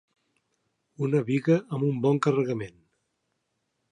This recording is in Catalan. Una biga amb un bon carregament.